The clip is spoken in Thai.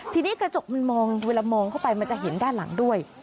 ทีนี้กระจกมันมองเวลามองเข้าไปมันจะเห็นด้านหลังด้วย